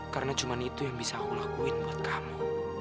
karena cuma itu yang bisa aku lakuin buat kamu